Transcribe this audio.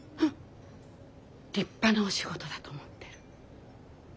立派なお仕事だと思ってる。